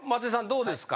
どうですか？